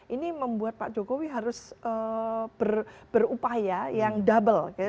ini membuat pak jokowi harus berupaya yang double